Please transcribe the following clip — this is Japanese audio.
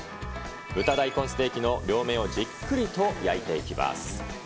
豚大根ステーキの両面をじっくりと焼いていきます。